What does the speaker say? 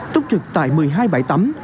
tốt trực tại một mươi hai bãi tắm